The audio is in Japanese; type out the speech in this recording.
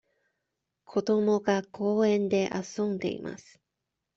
子どもが公園で遊んでいます。